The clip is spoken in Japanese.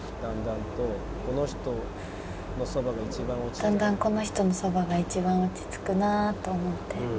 だんだんこの人のそばが一番落ち着くなと思って。